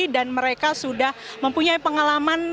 dan mereka sudah mempunyai pengalaman